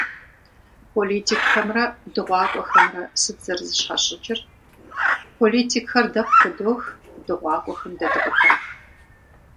Политикхэмрэ дыгъуакӏуэхэмрэ сыт зэрызэщхьэщыкӏыр? Политикхэр дэ къыхыдох, дыгъуакӀуэхэм дэ дыкъыхах.